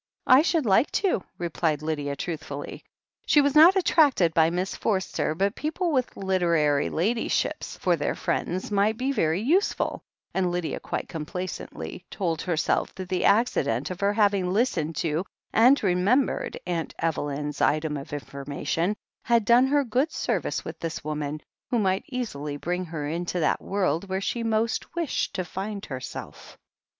"I should like to," replied Lydia truthfully. She was not attracted by Miss Forster, but people with literary ladyships for their friends might be very use ful, and Lydia quite complacently told herself that the accident of her having listened to, and remembered, Aunt Evelyn's item of information, had done her good service with this woman, who might easily bring her into that world where she most wished to find herself.